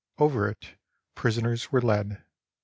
Over it prisoners were led.